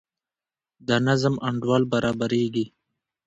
د نظم انډول برابریږي.